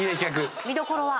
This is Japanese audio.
見どころは？